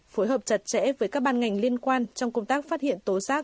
phối hợp chặt chẽ với các ban ngành liên quan trong công tác phát hiện tố giác